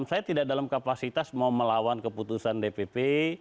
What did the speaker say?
saya tidak dalam kapasitas mau melawan keputusan dpp